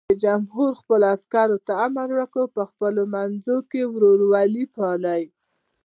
رئیس جمهور خپلو عسکرو ته امر وکړ؛ په خپلو منځو کې ورورولي پالئ!